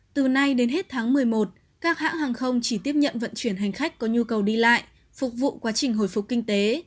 từ nay đến hết tháng một mươi một các hãng hàng không chỉ tiếp nhận vận chuyển hành khách có nhu cầu đi lại phục vụ quá trình hồi phục kinh tế